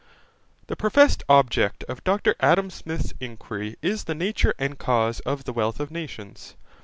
The professed object of Dr Adam Smith's inquiry is the nature and causes of the wealth of nations.